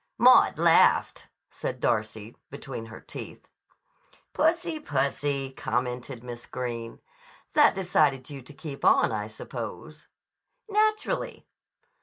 "Maud laughed," said Darcy between her teeth. "Pussy, pussy!" commented Miss Greene. "That decided you to keep on, I suppose." "Naturally."